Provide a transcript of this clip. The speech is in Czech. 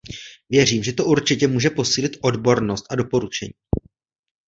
Věřím, že to určitě může posílit odbornost a doporučení.